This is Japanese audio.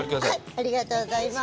ありがとうございます。